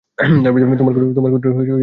তোমার গোত্রের লোকদের খবর কী?